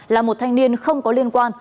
là một thanh niên không có liên quan